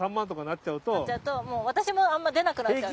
っちゃうともう私もあんま出なくなっちゃう。